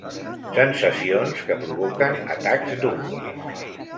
Sensacions que provoquen atacs d'ungles.